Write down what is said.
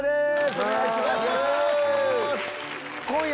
お願いします。